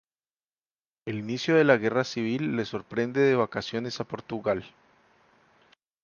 El inicio de la guerra civil le sorprende de vacaciones a Portugal.